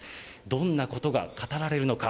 どんなことが語られるのか。